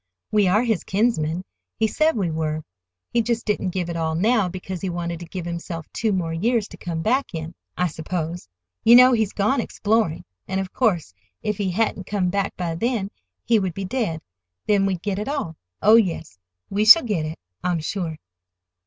We are his kinsmen. He said we were. He just didn't give it all now because he wanted to give himself two more years to come back in, I suppose. You know he's gone exploring. And, of course, if he hadn't come back by then, he would be dead. Then we'd get it all. Oh, yes, we shall get it, I'm sure."